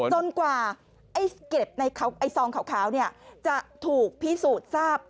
จนกว่าไอ้เก็บในซองขาวจะถูกพิสูจน์ทราบ